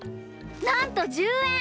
なんと１０円！